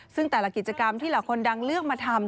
ซึ่งแต่ละกิจกรรมที่เหล่าคนดังเลือกมาทำ